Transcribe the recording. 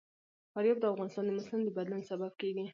فاریاب د افغانستان د موسم د بدلون سبب کېږي.